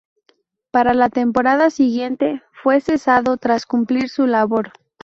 Para la temporada siguiente fue cesado tras cumplir su labor.